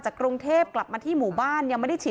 มีแต่เสียงตุ๊กแก่กลางคืนไม่กล้าเข้าห้องน้ำด้วยซ้ำ